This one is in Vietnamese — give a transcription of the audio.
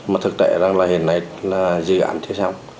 mà thực tế rằng là hiện nay là dự án chưa xong